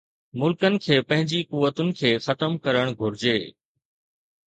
ملڪن کي پنهنجي قوتن کي ختم ڪرڻ گهرجي